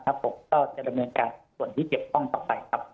ก็จะดำเนินการส่วนที่เจ็บต้องต่อไปครับ